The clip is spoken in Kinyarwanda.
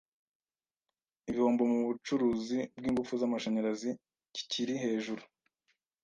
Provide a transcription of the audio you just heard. igihombo mu bucuruzi bw’ingufu z’amashanyarazi kikiri hejuru,